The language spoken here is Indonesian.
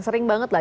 sering banget lah